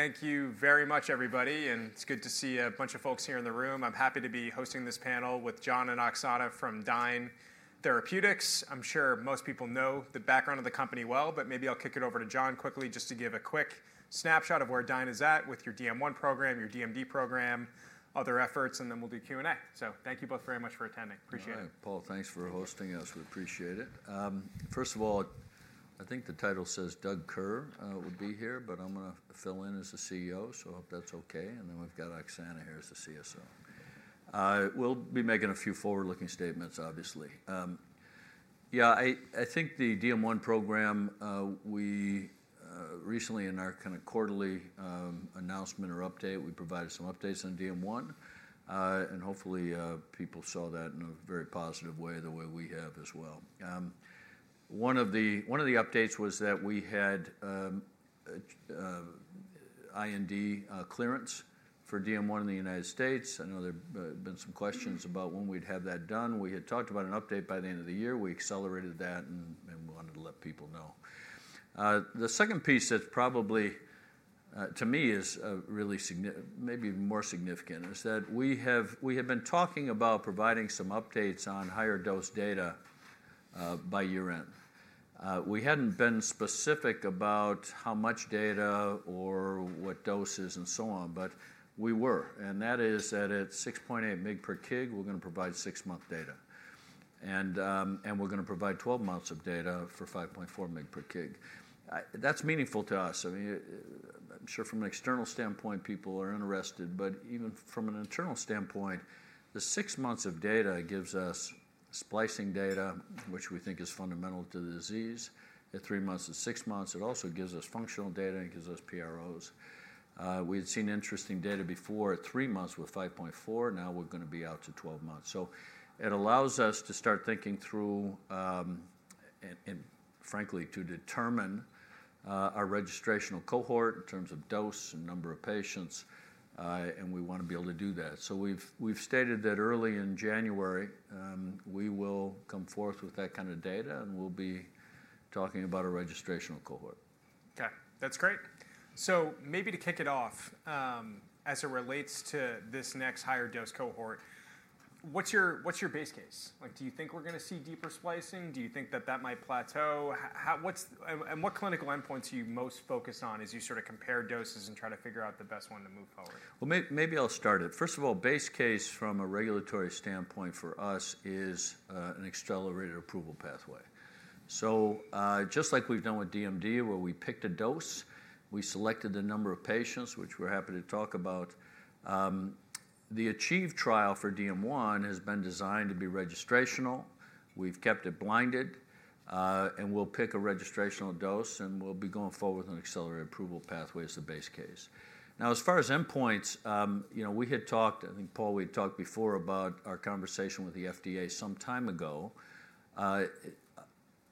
All right. Thank you very much, everybody, and it's good to see a bunch of folks here in the room. I'm happy to be hosting this panel with John and Oxana from Dyne Therapeutics. I'm sure most people know the background of the company well, but maybe I'll kick it over to John quickly just to give a quick snapshot of where Dyne is at with your DM1 program, your DMD program, other efforts, and then we'll do Q&A, so thank you both very much for attending. Appreciate it. All right. Paul, thanks for hosting us. We appreciate it. First of all, I think the title says Doug Kerr would be here, but I'm going to fill in as the CEO, so I hope that's okay, and then we've got Oxana here as the CSO. We'll be making a few forward-looking statements, obviously. Yeah, I think the DM1 program, we recently in our kind of quarterly announcement or update, we provided some updates on DM1, and hopefully people saw that in a very positive way, the way we have as well. One of the updates was that we had IND clearance for DM1 in the United States. I know there have been some questions about when we'd have that done. We had talked about an update by the end of the year. We accelerated that and wanted to let people know. The second piece that's probably, to me, is really significant, maybe even more significant, is that we have been talking about providing some updates on higher dose data by year-end. We hadn't been specific about how much data or what doses and so on, but we were. And that is that at 6.8 mg per kg, we're going to provide six-month data. And we're going to provide 12 months of data for 5.4 mg per kg. That's meaningful to us. I mean, I'm sure from an external standpoint, people are interested, but even from an internal standpoint, the six months of data gives us splicing data, which we think is fundamental to the disease. At three months, at six months, it also gives us functional data and gives us PROs. We had seen interesting data before at three months with 5.4. Now we're going to be out to 12 months. So it allows us to start thinking through and frankly, to determine our registrational cohort in terms of dose and number of patients. And we want to be able to do that. So we've stated that early in January, we will come forth with that kind of data, and we'll be talking about a registrational cohort. Okay. That's great. So maybe to kick it off, as it relates to this next higher dose cohort, what's your base case? Do you think we're going to see deeper splicing? Do you think that that might plateau? And what clinical endpoints are you most focused on as you sort of compare doses and try to figure out the best one to move forward? Maybe I'll start it. First of all, base case from a regulatory standpoint for us is an accelerated approval pathway. So just like we've done with DMD, where we picked a dose, we selected the number of patients, which we're happy to talk about. The ACHIEVE trial for DM1 has been designed to be registrational. We've kept it blinded, and we'll pick a registrational dose, and we'll be going forward with an accelerated approval pathway as the base case. Now, as far as endpoints, we had talked, I think Paul, we had talked before about our conversation with the FDA some time ago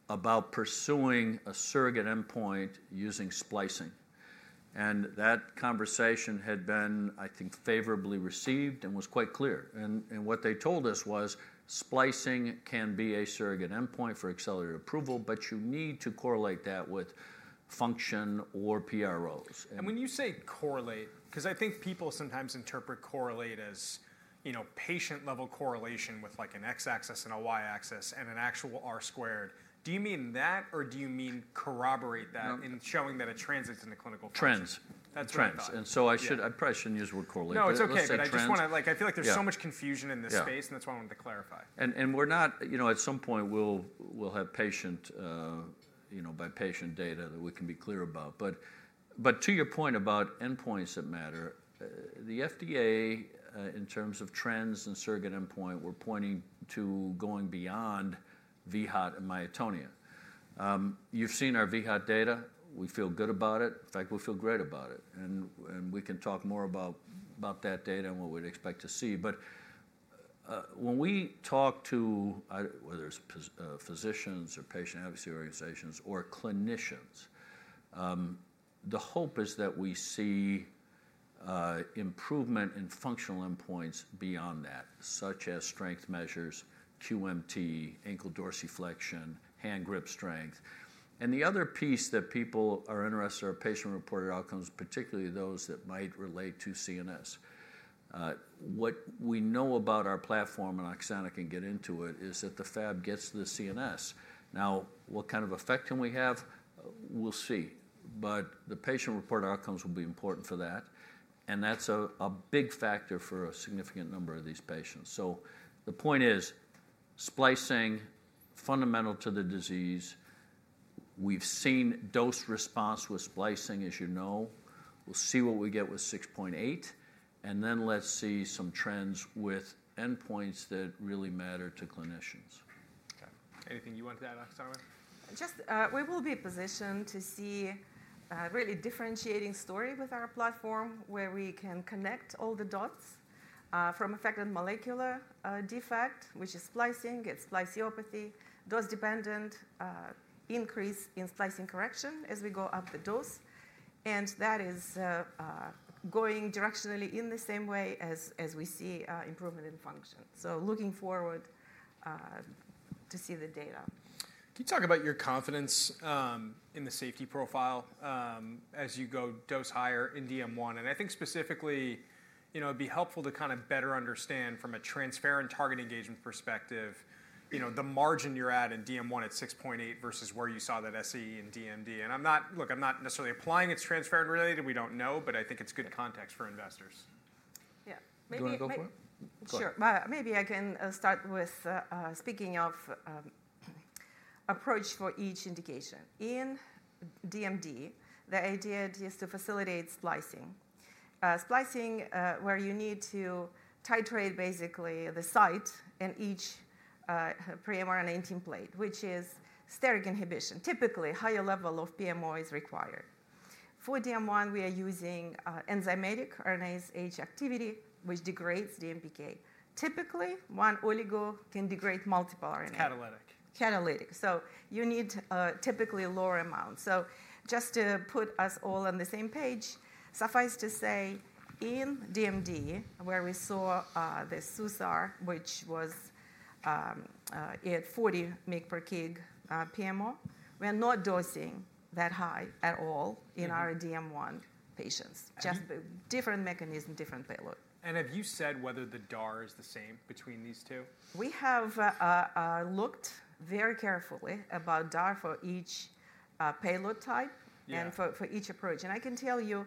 about pursuing a surrogate endpoint using splicing. And that conversation had been, I think, favorably received and was quite clear. And what they told us was splicing can be a surrogate endpoint for accelerated approval, but you need to correlate that with function or PROs. When you say correlate, because I think people sometimes interpret correlate as patient-level correlation with an X-axis and a Y-axis and an actual R-squared, do you mean that or do you mean corroborate that in showing that it transits in the clinical trial? Trends. That's what I'm talking about. I probably shouldn't use the word correlate. No, it's okay. I just want to, I feel like there's so much confusion in this space, and that's why I wanted to clarify. And we're not, at some point, we'll have patient-by-patient data that we can be clear about. But to your point about endpoints that matter, the FDA, in terms of trends and surrogate endpoint, we're pointing to going beyond vHOT and myotonia. You've seen our vHOT data. We feel good about it. In fact, we feel great about it. And we can talk more about that data and what we'd expect to see. But when we talk to whether it's physicians or patient advocacy organizations or clinicians, the hope is that we see improvement in functional endpoints beyond that, such as strength measures, QMT, ankle dorsiflexion, hand grip strength. And the other piece that people are interested in are patient-reported outcomes, particularly those that might relate to CNS. What we know about our platform, and Oxana can get into it, is that the Fab gets to the CNS. Now, what kind of effect can we have? We'll see. But the patient-reported outcomes will be important for that. And that's a big factor for a significant number of these patients. So the point is splicing, fundamental to the disease. We've seen dose response with splicing, as you know. We'll see what we get with 6.8. And then let's see some trends with endpoints that really matter to clinicians. Okay. Anything you wanted to add, Oxana? Just, we will be positioned to see a really differentiating story with our platform where we can connect all the dots from affected molecular defect, which is splicing; it's spliceopathy, dose-dependent increase in splicing correction as we go up the dose. And that is going directionally in the same way as we see improvement in function. So looking forward to see the data. Can you talk about your confidence in the safety profile as you go dose higher in DM1? And I think specifically, it'd be helpful to kind of better understand from a transferrin target engagement perspective the margin you're at in DM1 at 6.8 versus where you saw that SAE in DMD. And look, I'm not necessarily implying it's transferrin related. We don't know, but I think it's good context for investors. Yeah. Go ahead, Oxana. Sure. Maybe I can start with speaking of approach for each indication. In DMD, the idea is to facilitate splicing, splicing where you need to titrate basically the site in each PMO for exon 51, which is steric inhibition. Typically, a higher level of PMO is required. For DM1, we are using enzymatic RNase H activity, which degrades DMPK. Typically, one oligo can degrade multiple RNAs. Catalytic. Catalytic. So you need typically lower amounts. So just to put us all on the same page, suffice to say, in DMD, where we saw the SUSAR, which was at 40 mg per kg PMO, we are not dosing that high at all in our DM1 patients. Just different mechanism, different payload. Have you said whether the DAR is the same between these two? We have looked very carefully about DAR for each payload type and for each approach, and I can tell you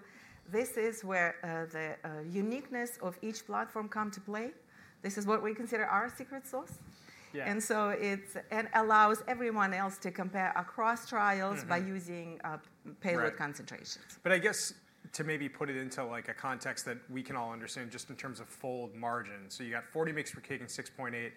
this is where the uniqueness of each platform comes to play. This is what we consider our secret sauce, and so it allows everyone else to compare across trials by using payload concentrations. But I guess to maybe put it into a context that we can all understand just in terms of fold margin. So you got 40 mg per kg and 6.8.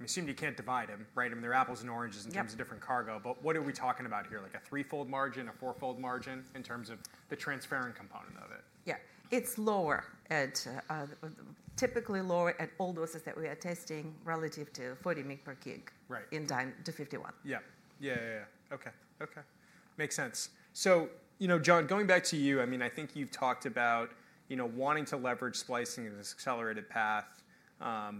I mean, assuming you can't divide them, right? I mean, they're apples and oranges in terms of different cargo. But what are we talking about here? Like a threefold margin, a fourfold margin in terms of the transferrin component of it? Yeah. It's typically lower at all doses that we are testing relative to 40 mg per kg in DYNE-251. Makes sense. So John, going back to you, I mean, I think you've talked about wanting to leverage splicing as an accelerated path,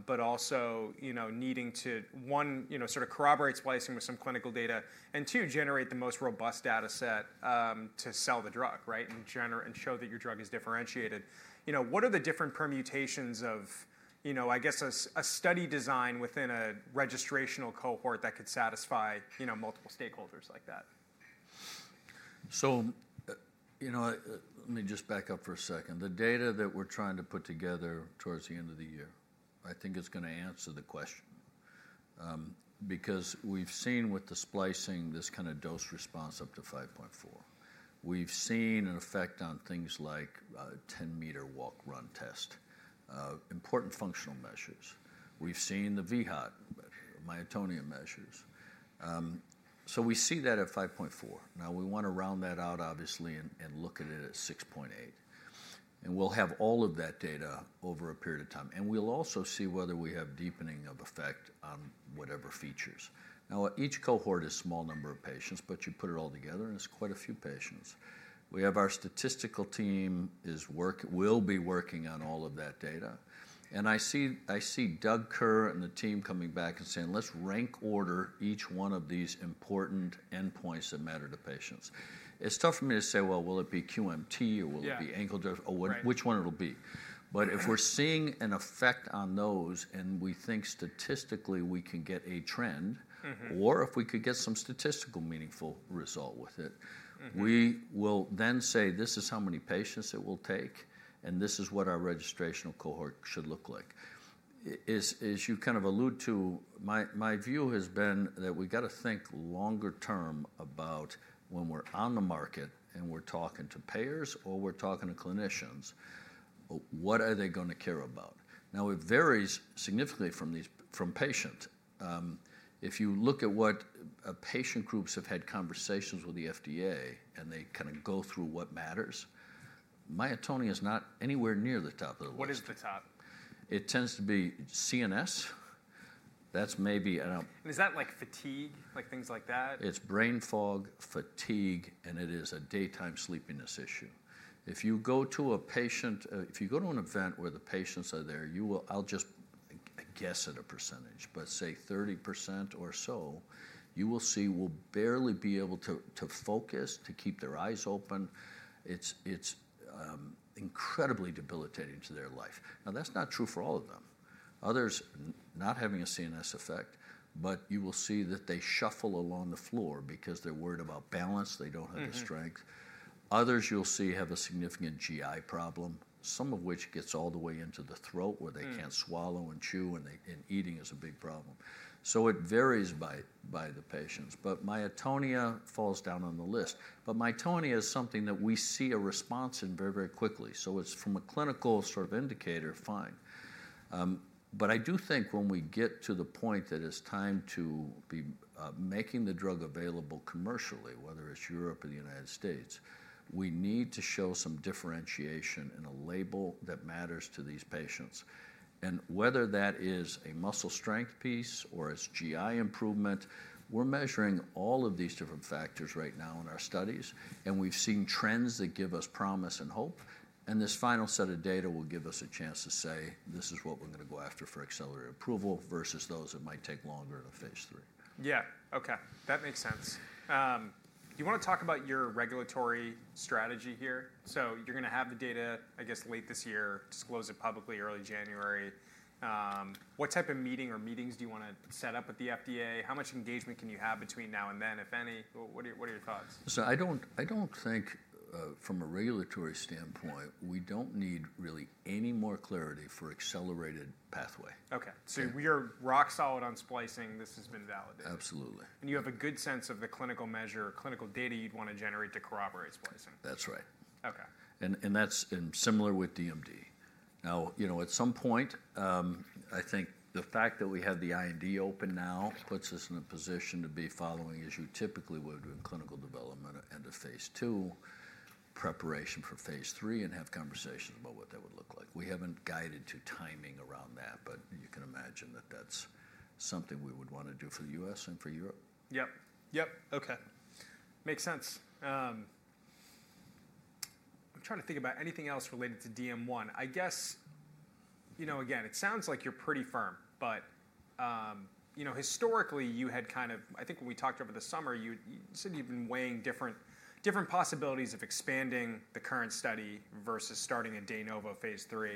but also needing to, one, sort of corroborate splicing with some clinical data, and two, generate the most robust data set to sell the drug, right, and show that your drug is differentiated. What are the different permutations of, I guess, a study design within a registrational cohort that could satisfy multiple stakeholders like that? Let me just back up for a second. The data that we're trying to put together towards the end of the year, I think it's going to answer the question because we've seen with the splicing this kind of dose response up to 5.4. We've seen an effect on things like 10-meter walk-run test, important functional measures. We've seen the vHOT, myotonia measures. We see that at 5.4. Now, we want to round that out, obviously, and look at it at 6.8. We'll have all of that data over a period of time. We'll also see whether we have deepening of effect on whatever features. Now, each cohort is a small number of patients, but you put it all together, and it's quite a few patients. We have our statistical team will be working on all of that data. I see Doug Kerr and the team coming back and saying, "Let's rank order each one of these important endpoints that matter to patients." It's tough for me to say, "Well, will it be QMT or will it be ankle dorsiflexion? Yeah. Oh, which one it'll be. But if we're seeing an effect on those and we think statistically we can get a trend, or if we could get some statistical meaningful result with it, we will then say, "This is how many patients it will take, and this is what our registrational cohort should look like." As you kind of alluded to, my view has been that we've got to think longer term about when we're on the market and we're talking to payers or we're talking to clinicians, what are they going to care about? Now, it varies significantly from patient. If you look at what patient groups have had conversations with the FDA and they kind of go through what matters, myotonia is not anywhere near the top of the list. What is the top? It tends to be CNS. That's maybe. Is that like fatigue, like things like that? It's brain fog, fatigue, and it is a daytime sleepiness issue. If you go to a patient, if you go to an event where the patients are there, I'll just guess at a percentage, but say 30% or so, you will see will barely be able to focus, to keep their eyes open. It's incredibly debilitating to their life. Now, that's not true for all of them. Others not having a CNS effect, but you will see that they shuffle along the floor because they're worried about balance. They don't have the strength. Others you'll see have a significant GI problem, some of which gets all the way into the throat where they can't swallow and chew, and eating is a big problem. So it varies by the patients. But myotonia falls down on the list. But myotonia is something that we see a response in very, very quickly. So it's from a clinical sort of indicator, fine. But I do think when we get to the point that it's time to be making the drug available commercially, whether it's Europe or the United States, we need to show some differentiation in a label that matters to these patients. And whether that is a muscle strength piece or it's GI improvement, we're measuring all of these different factors right now in our studies. And we've seen trends that give us promise and hope. And this final set of data will give us a chance to say, "This is what we're going to go after for accelerated approval versus those that might take longer in a phase III. Yeah. Okay. That makes sense. Do you want to talk about your regulatory strategy here? So you're going to have the data, I guess, late this year, disclose it publicly early January. What type of meeting or meetings do you want to set up with the FDA? How much engagement can you have between now and then, if any? What are your thoughts? I don't think from a regulatory standpoint, we don't need really any more clarity for accelerated pathway. Okay, so you're rock solid on splicing. This has been validated. Absolutely. You have a good sense of the clinical measure or clinical data you'd want to generate to corroborate splicing. That's right. Okay. And that's similar with DMD. Now, at some point, I think the fact that we have the IND open now puts us in a position to be following as you typically would with clinical development and a phase II, preparation for phase III, and have conversations about what that would look like. We haven't guided to timing around that, but you can imagine that that's something we would want to do for the U.S. and for Europe. Yep. Yep. Okay. Makes sense. I'm trying to think about anything else related to DM1. I guess, again, it sounds like you're pretty firm, but historically, you had kind of, I think when we talked over the summer, you said you've been weighing different possibilities of expanding the current study versus starting a de novo phase III.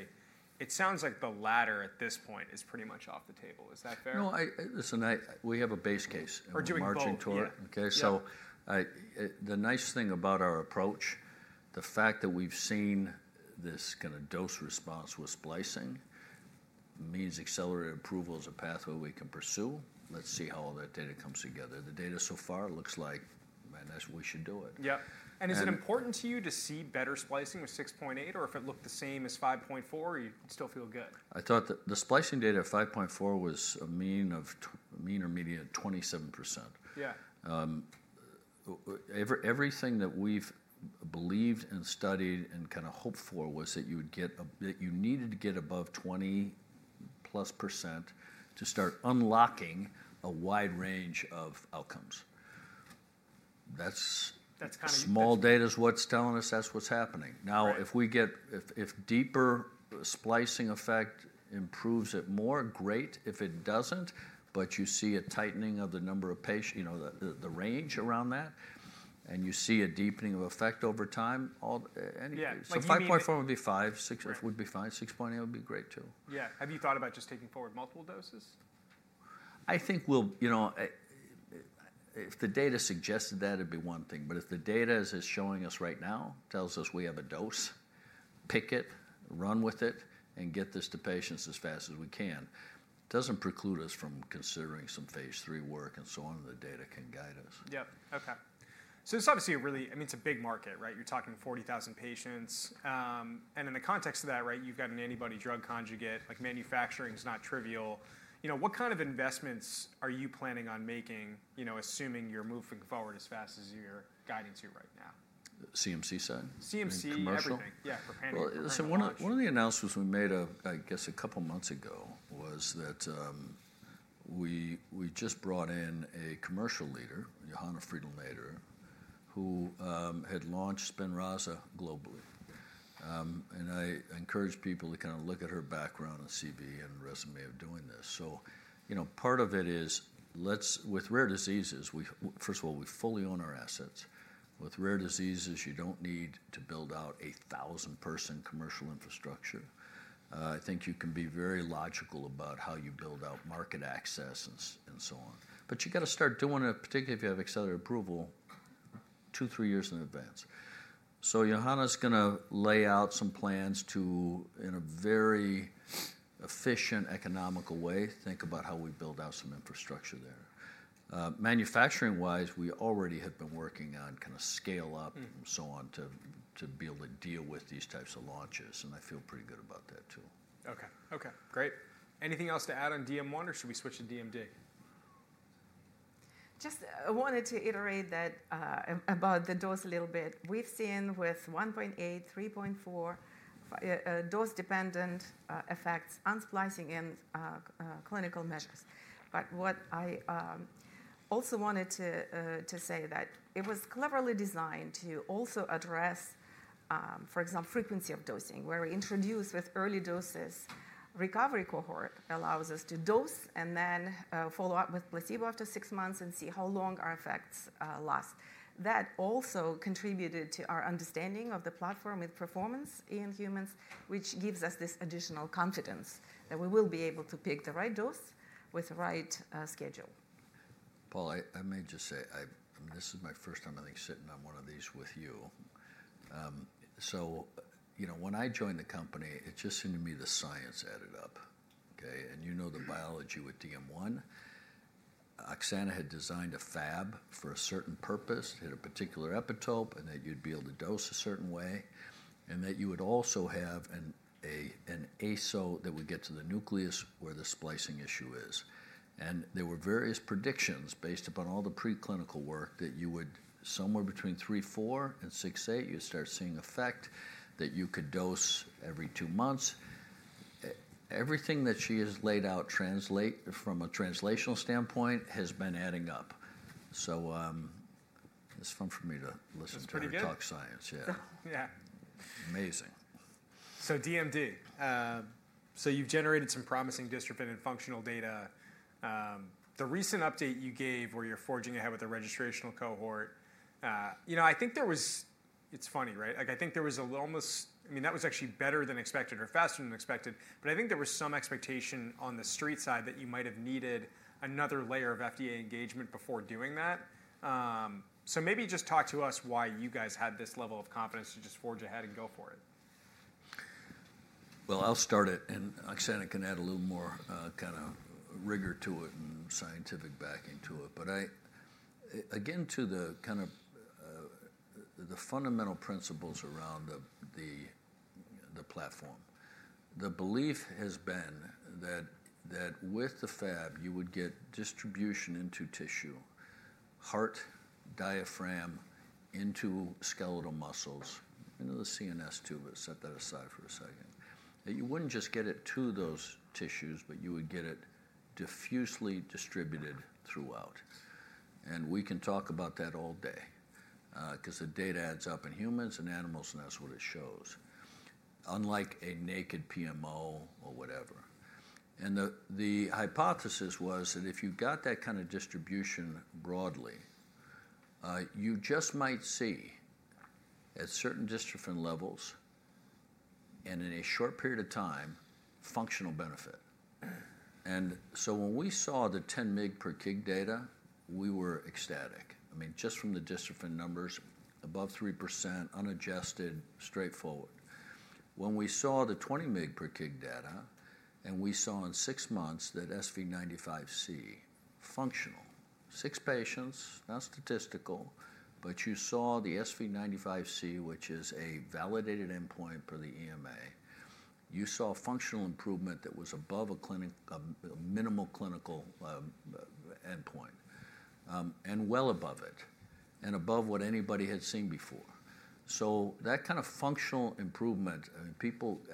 It sounds like the latter at this point is pretty much off the table. Is that fair? No, listen, we have a base case. Or doing more? Okay. So the nice thing about our approach, the fact that we've seen this kind of dose response with splicing means accelerated approval is a pathway we can pursue. Let's see how all that data comes together. The data so far looks like, man, that's what we should do it. Yep. And is it important to you to see better splicing with 6.8, or if it looked the same as 5.4, you'd still feel good? I thought the splicing data at 5.4 was a mean or median of 27%. Yeah. Everything that we've believed and studied and kind of hoped for was that you would get that you needed to get above 20+% to start unlocking a wide range of outcomes. That's kind of. Small data is what's telling us, that's what's happening. Now, if we get deeper splicing effect improves it more, great. If it doesn't, but you see a tightening of the number of patients, the range around that, and you see a deepening of effect over time, anyway. So 5.4 would be fine. 6.8 would be great too. Yeah. Have you thought about just taking forward multiple doses? I think if the data suggested that, it'd be one thing. But if the data is as showing us right now, tells us we have a dose, pick it, run with it, and get this to patients as fast as we can. It doesn't preclude us from considering some phase III work and so on that the data can guide us. Yep. Okay. So it's obviously a really, I mean, it's a big market, right? You're talking 40,000 patients. And in the context of that, right, you've got an antibody drug conjugate, like manufacturing is not trivial. What kind of investments are you planning on making, assuming you're moving forward as fast as your guidance you're right now? CMC side? CMC, everything. Yeah, for process control. Listen, one of the announcements we made, I guess, a couple of months ago, was that we just brought in a commercial leader, Johanna Friedl-Naderer, who had launched Spinraza globally. And I encouraged people to kind of look at her background and CV and resume of doing this. So part of it is, with rare diseases, first of all, we fully own our assets. With rare diseases, you don't need to build out a thousand-person commercial infrastructure. I think you can be very logical about how you build out market access and so on. But you got to start doing it, particularly if you have accelerated approval, two, three years in advance. So Johanna's going to lay out some plans to, in a very efficient economical way, think about how we build out some infrastructure there. Manufacturing-wise, we already have been working on kind of scale up and so on to be able to deal with these types of launches. And I feel pretty good about that too. Okay. Okay. Great. Anything else to add on DM1, or should we switch to DMD? Just wanted to iterate about the dose a little bit. We've seen with 1.8, 3.4, dose-dependent effects on splicing and clinical measures. But what I also wanted to say that it was cleverly designed to also address, for example, frequency of dosing, where we introduce with early doses, recovery cohort allows us to dose and then follow up with placebo after six months and see how long our effects last. That also contributed to our understanding of the platform and performance in humans, which gives us this additional confidence that we will be able to pick the right dose with the right schedule. Paul, I may just say, this is my first time, I think, sitting on one of these with you. So when I joined the company, it just seemed to me the science added up, okay? And you know the biology with DM1. Oxana had designed a Fab for a certain purpose, had a particular epitope, and that you'd be able to dose a certain way, and that you would also have an ASO that would get to the nucleus where the splicing issue is. And there were various predictions based upon all the preclinical work that you would somewhere between 3.4 and 6.8, you'd start seeing effect that you could dose every two months. Everything that she has laid out from a translational standpoint has been adding up. So it's fun for me to listen to her talk science. That's pretty good. Yeah. Yeah. Amazing. So, DMD. You've generated some promising clinical and functional data. The recent update you gave where you're forging ahead with the registrational cohort, I think there was. It's funny, right? I think there was almost, I mean, that was actually better than expected or faster than expected. But I think there was some expectation on the street side that you might have needed another layer of FDA engagement before doing that. So maybe just talk to us why you guys had this level of confidence to just forge ahead and go for it. I'll start it, and Oxana can add a little more kind of rigor to it and scientific backing to it. But again, to the kind of the fundamental principles around the platform. The belief has been that with the Fab, you would get distribution into tissue, heart, diaphragm, into skeletal muscles, into the CNS too, but set that aside for a second, that you wouldn't just get it to those tissues, but you would get it diffusely distributed throughout. And we can talk about that all day because the data adds up in humans and animals, and that's what it shows, unlike a naked PMO or whatever. And the hypothesis was that if you got that kind of distribution broadly, you just might see at certain dose levels and in a short period of time, functional benefit. And so when we saw the 10 mg per kg data, we were ecstatic. I mean, just from the dystrophin numbers, above 3%, unadjusted, straightforward. When we saw the 20 mg per kg data, and we saw in six months that SV95C, functional, six patients, not statistical, but you saw the SV95C, which is a validated endpoint for the EMA, you saw functional improvement that was above a minimal clinical endpoint and well above it and above what anybody had seen before. So that kind of functional improvement,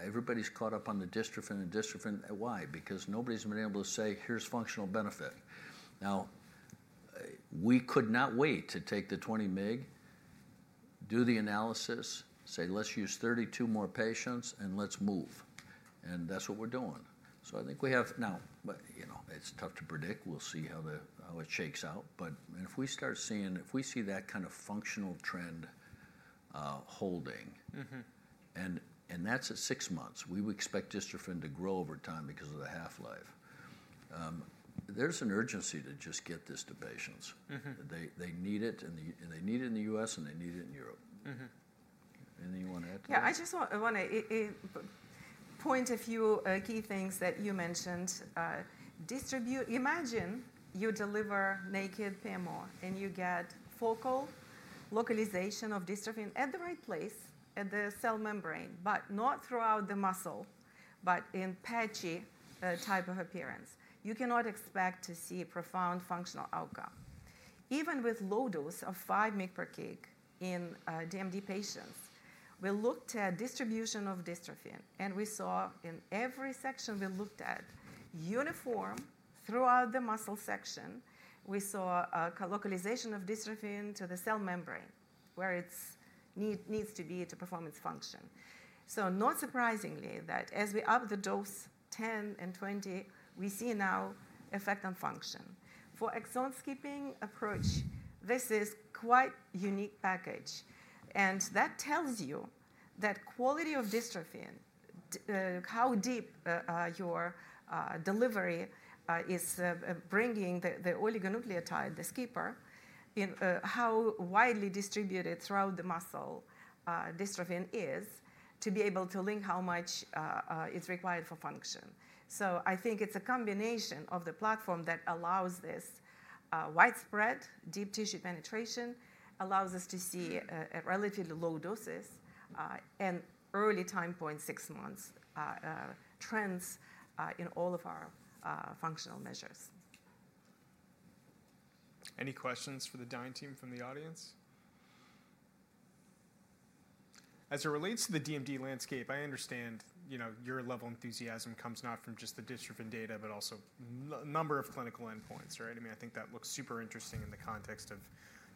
everybody's caught up on the dystrophin and dystrophin. Why? Because nobody's been able to say, "Here's functional benefit." Now, we could not wait to take the 20 mg per kg, do the analysis, say, "Let's use 32 more patients, and let's move." And that's what we're doing. So I think we have now, it's tough to predict. We'll see how it shakes out. But if we start seeing, if we see that kind of functional trend holding, and that's at six months, we would expect the signal to grow over time because of the half-life. There's an urgency to just get this to patients. They need it, and they need it in the U.S., and they need it in Europe. Anything you want to add to that? Yeah. I just want to point a few key things that you mentioned. Imagine you deliver naked PMO, and you get focal localization of dystrophin at the right place at the cell membrane, but not throughout the muscle, but in patchy type of appearance. You cannot expect to see a profound functional outcome. Even with low dose of 5 mg per kg in DMD patients, we looked at distribution of dystrophin, and we saw in every section we looked at uniform throughout the muscle section, we saw localization of dystrophin to the cell membrane where it needs to be to perform its function. So not surprisingly that as we up the dose 10 and 20, we see now effect on function. For exon skipping approach, this is quite a unique package. And that tells you the quality of the delivery, how deep your delivery is bringing the oligonucleotide, the skipping, how widely distributed throughout the muscle tissue is to be able to elicit how much is required for function. So I think it's a combination of the platform that allows this widespread deep tissue penetration, allows us to see a relatively low doses and early time point, six-month trends in all of our functional measures. Any questions for the Dyne team from the audience? As it relates to the DMD landscape, I understand your level of enthusiasm comes not from just the dystrophin data, but also a number of clinical endpoints, right? I mean, I think that looks super interesting in the context of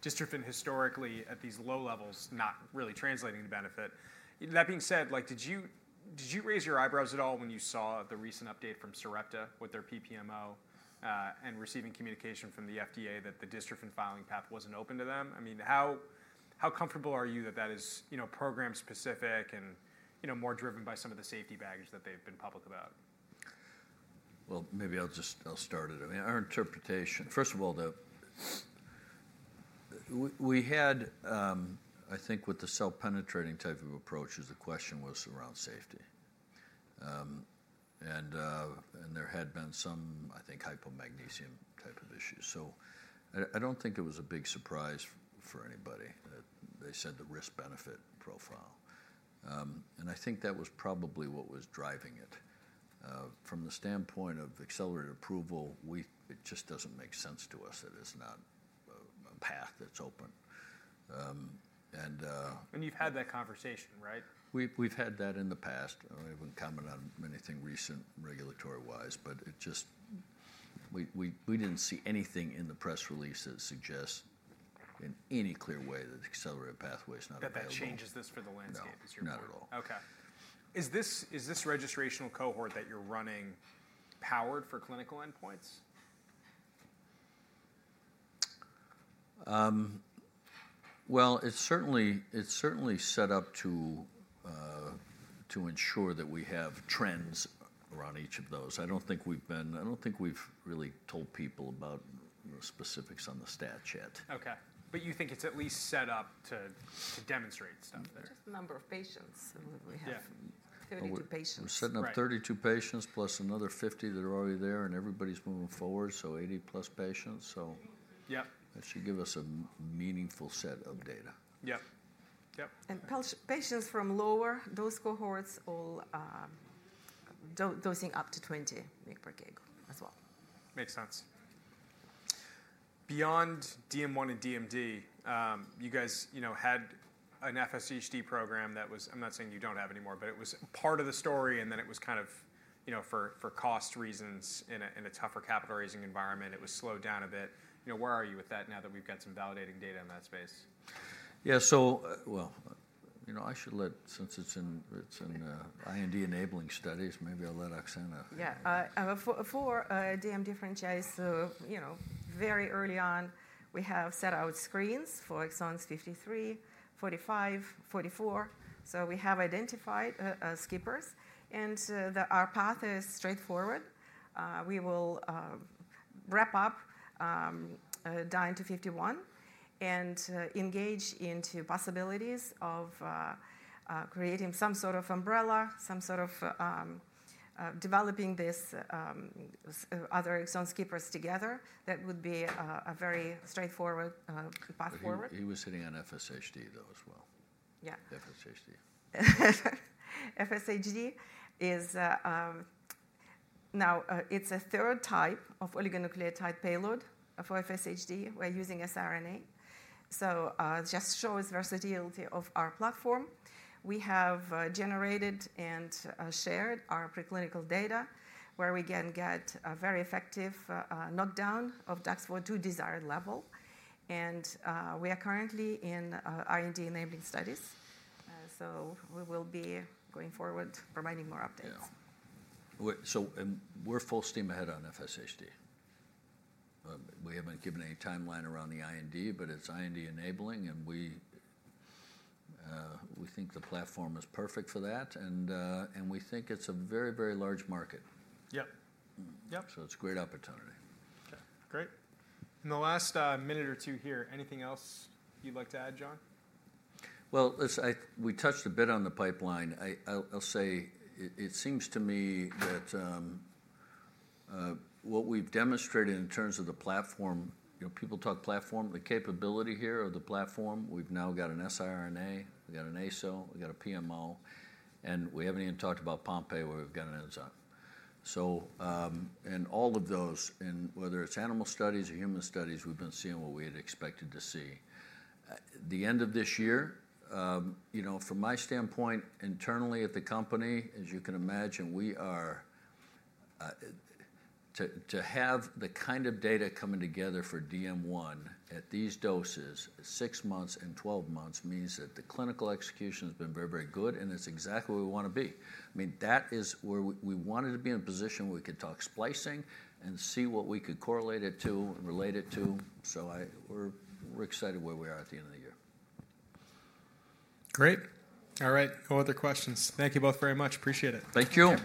dystrophin historically at these low levels, not really translating to benefit. That being said, did you raise your eyebrows at all when you saw the recent update from Sarepta with their PPMO and receiving communication from the FDA that the dystrophin filing path wasn't open to them? I mean, how comfortable are you that that is program-specific and more driven by some of the safety baggage that they've been public about? Maybe I'll just, I'll start it. I mean, our interpretation, first of all, we had, I think with the cell penetrating type of approach, the question was around safety. And there had been some, I think, hypomagnesemia type of issues. So I don't think it was a big surprise for anybody. They said the risk-benefit profile. And I think that was probably what was driving it. From the standpoint of accelerated approval, it just doesn't make sense to us. It is not a path that's open. And. You've had that conversation, right? We've had that in the past. I haven't commented on anything recent regulatory-wise, but it just, we didn't see anything in the press release that suggests in any clear way that accelerated pathway is not available. That changes the landscape, is your point? Not at all. Okay. Is this registrational cohort that you're running powered for clinical endpoints? It's certainly set up to ensure that we have trends around each of those. I don't think we've really told people about the specifics on the stats yet. Okay. But you think it's at least set up to demonstrate stuff there? Just the number of patients that we have. Yeah. 32 patients. We're setting up 32 patients plus another 50 that are already there, and everybody's moving forward, so 80-plus patients. So that should give us a meaningful set of data. Yep. Yep. Patients from lower dose cohorts all dosing up to 20 mg per kg as well. Makes sense. Beyond DM1 and DMD, you guys had an FSHD program that was, I'm not saying you don't have anymore, but it was part of the story, and then it was kind of for cost reasons in a tougher capital raising environment. It was slowed down a bit. Where are you with that now that we've got some validating data in that space? Yeah. I should let, since it's in IND enabling studies, maybe I'll let Oxana. Yeah. For DMD exon skipping, very early on, we have set up screens for exons 53, 45, 44. So we have identified skippers, and our path is straightforward. We will wrap up DYNE-251 and engage into possibilities of creating some sort of umbrella, some sort of developing these other exon skippers together. That would be a very straightforward path forward. He was sitting on FSHD, though, as well. Yeah. FSHD. FSHD is now, it's a third type of oligonucleotide payload for FSHD. We're using siRNA, so it just shows versatility of our platform. We have generated and shared our preclinical data where we can get a very effective knockdown of DUX4 to desired level, and we are currently in IND enabling studies, so we will be going forward providing more updates. We're full steam ahead on FSHD. We haven't given any timeline around the IND, but it's IND enabling, and we think the platform is perfect for that. We think it's a very, very large market. Yep. Yep. It's a great opportunity. Okay. Great. In the last minute or two here, anything else you'd like to add, John? We touched a bit on the pipeline. I'll say it seems to me that what we've demonstrated in terms of the platform, people talk platform, the capability here of the platform. We've now got an siRNA, we've got an ASO, we've got a PMO, and we haven't even talked about Pompe where we've got an exon. So in all of those, whether it's animal studies or human studies, we've been seeing what we had expected to see. The end of this year, from my standpoint internally at the company, as you can imagine, we are to have the kind of data coming together for DM1 at these doses, six months and 12 months means that the clinical execution has been very, very good, and it's exactly where we want to be. I mean, that is where we wanted to be in a position where we could talk splicing and see what we could correlate it to and relate it to. So we're excited where we are at the end of the year. Great. All right. No other questions. Thank you both very much. Appreciate it. Thank you.